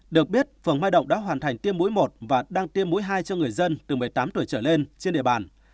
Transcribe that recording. được biết phường mai động đã hoàn thành tiêm mũi một và đang tiêm mũi hai cho người dân từ một mươi tám tuổi trở lên trên địa bàn